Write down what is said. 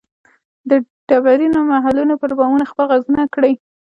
د ډبرینو محلونو پر بامونو خپل ږغونه کري